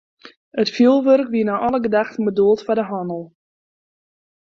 It fjoerwurk wie nei alle gedachten bedoeld foar de hannel.